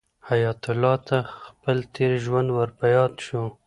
حیات الله ته خپل تېر ژوند ور په یاد شو.